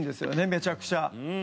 めちゃくちゃ。